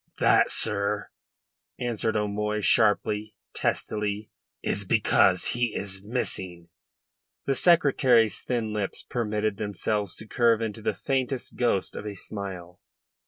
"That, sir," answered O'Moy sharply, testily, "is because he is missing." The Secretary's thin lips permitted themselves to curve into the faintest ghost of a smile.